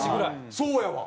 そうやわ。